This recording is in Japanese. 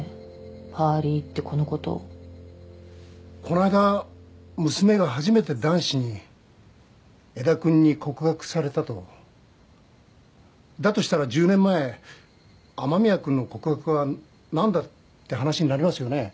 パーリーってこのことをこないだ娘が初めて男子に江田君に告白されたとだとしたら１０年前雨宮君の告白はなんだって話になりますよね